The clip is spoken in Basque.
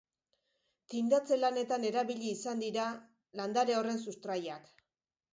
Tindatze-lanetan erabili izan dira landare horren sustraiak.